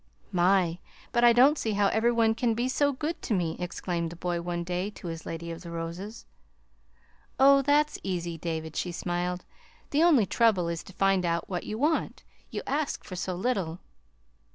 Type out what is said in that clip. "My, but I don't see how every one can be so good to me!" exclaimed the boy, one day, to his Lady of the Roses. "Oh, that's easy, David," she smiled. "The only trouble is to find out what you want you ask for so little."